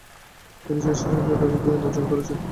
তিনি চিকিৎসা শাস্ত্রে ব্যাপক জ্ঞান অর্জন করেন।